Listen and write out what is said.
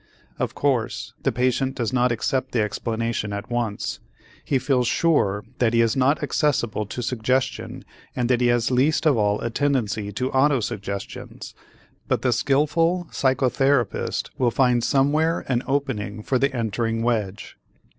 Of course, the patient does not accept the explanation at once. He feels sure that he is not accessible to suggestion and that he has least of all a tendency to autosuggestions, but the skillful psychotherapist will find somewhere an opening for the entering wedge.